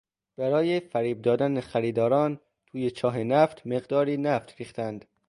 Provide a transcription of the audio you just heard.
برای فریب دادن خریداران توی چاه نفت مقداری نفت ریختند.